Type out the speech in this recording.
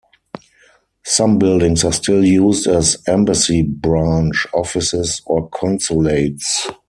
Some buildings are still used as embassy branch offices or consulates.